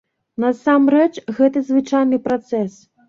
Насамрэч, гэта звычайны працэс.